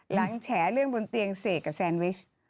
แฉเรื่องบนเตียงเสกกับแซนวิช